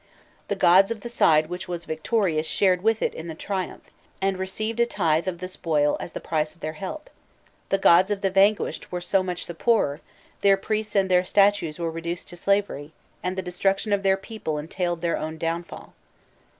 The gods of the side which was victorious shared with it in the triumph, and received a tithe of the spoil as the price of their help; the gods of the vanquished were so much the poorer, their priests and their statues were reduced to slavery, and the destruction of their people entailed their own downfall.